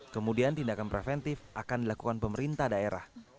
kemudian tindakan preventif akan dilakukan pemerintah daerah